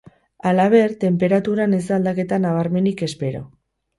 Halaber, tenperaturan ez da aldaketa nabarmenik espero.